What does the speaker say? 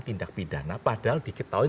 tindak pidana padahal diketahui